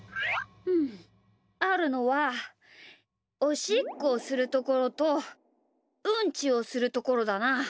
うんあるのはおしっこをするところとうんちをするところだな。